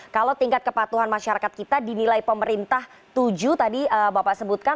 kalau tingkat kepatuhan masyarakat kita dinilai pemerintah tujuh tadi bapak sebutkan